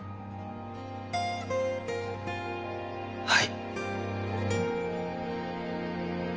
はい。